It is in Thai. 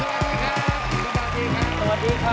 สวัสดีครับ